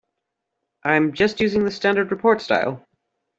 I'm just using the standard report style.